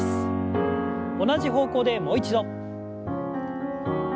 同じ方向でもう一度。